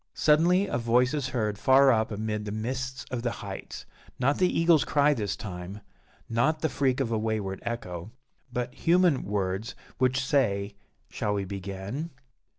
Suddenly a voice is heard far up amid the mists of the heights not the eagle's cry this time not the freak of a wayward echo but human words, which say "_Shall we begin?